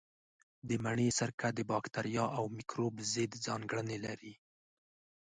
د مڼې سرکه د باکتریا او مېکروب ضد ځانګړنې لري.